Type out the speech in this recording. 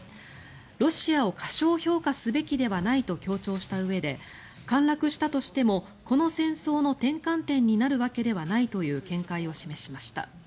ロシアを過小評価すべきではないと強調したうえで陥落したとしても、この戦争の転換点になるわけではないという見解を示しました。